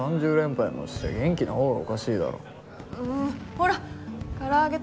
ほら空揚げ